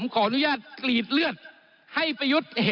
ขออนุญาตนะครับต้านประยุทธ์